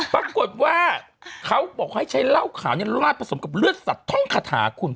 ปรากฏว่าเขาบอกให้ใช้เหล้าขาวเนี่ยลาดผสมกับเลือดสัตว์ท่องคาถาคุณ